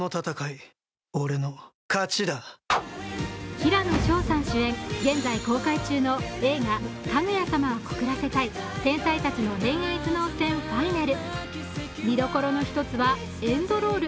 平野紫耀さん主演、現在公開中の映画「かぐや様は告らせたい天才たちの恋愛頭脳戦ファイナル」見どころの一つは、エンドロール。